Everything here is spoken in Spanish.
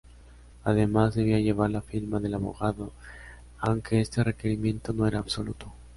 Además, debía llevar la firma del abogado, aunque este requerimiento no era absoluto.